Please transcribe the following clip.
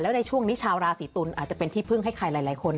ในช่วงนี้ชาวราศีตุลอาจจะเป็นที่พึ่งให้ใครหลายคน